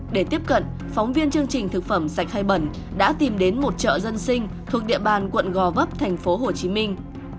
để tiếp cận phóng viên chương trình thực phẩm sạch hay bẩn đã tìm đến một chợ dân sinh thuộc địa bàn quận gò vấp thành phố hồ chí minh